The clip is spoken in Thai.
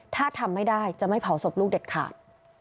ถ้าทำไม่ได้จะไม่เผาศพลูกเด็ดขาด